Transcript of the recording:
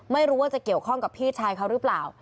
ไม่รู้ว่าจะเกี่ยวข้องกับพี่ชายเขาหรือเปล่า